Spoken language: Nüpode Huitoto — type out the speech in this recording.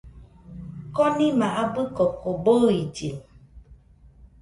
Konima abɨ koko bɨillɨ